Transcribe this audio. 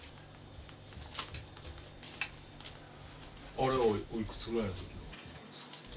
あれはおいくつぐらいの時の？